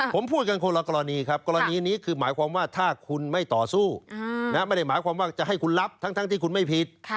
ผมพูดกันคนละกรณีครับกรณีนี้คือหมายความว่าถ้าคุณไม่ต่อสู้ไม่ได้หมายความว่าจะให้คุณรับทั้งที่คุณไม่ผิด